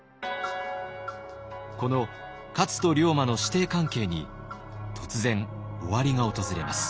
この勝と龍馬の師弟関係に突然終わりが訪れます。